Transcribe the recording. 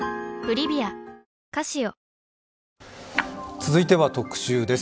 続いては特集です。